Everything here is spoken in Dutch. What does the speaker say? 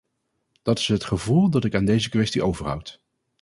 Dat is het gevoel dat ik aan deze kwestie overhoud.